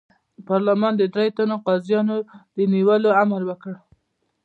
پارلمان د دریوو تنو قاضیانو د نیولو امر وکړ.